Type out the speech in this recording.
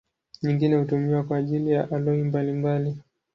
Nyingine hutumiwa kwa ajili ya aloi mbalimbali.